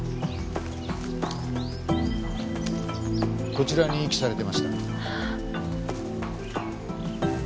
こちらに遺棄されてました。